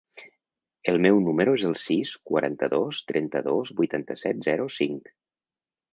El meu número es el sis, quaranta-dos, trenta-dos, vuitanta-set, zero, cinc.